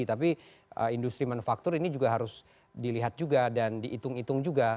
tapi industri manufaktur ini juga harus dilihat juga dan dihitung hitung juga